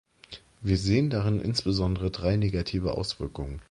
Wir sehen darin insbesondere drei negative Auswirkungen.